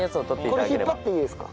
これ引っ張っていいですか？